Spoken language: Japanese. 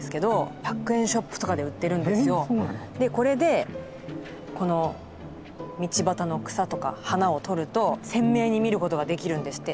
でこれでこの道端の草とか花を撮ると鮮明に見ることができるんですって。